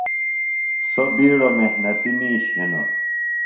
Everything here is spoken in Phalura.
سوۡ بِیڈوۡ محنتیۡ میِش ہِنوۡ۔